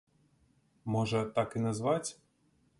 Можа, так і назваць?